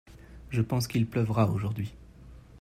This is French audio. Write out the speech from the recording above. Je pense qu'il pleuvra aujourd'hui.